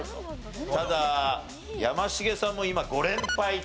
ただやましげさんも今５連敗中。